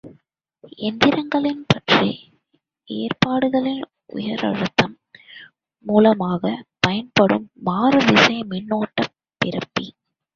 எந்திரங்களின் பற்று ஏற்பாடுகளில் உயர் அழுத்தம் மூலமாகப் பயன்படும் மாறுதிசை மின்னோட்டப் பிறப்பி.